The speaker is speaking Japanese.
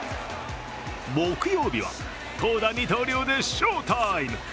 木曜日は、投打二刀流で翔タイム。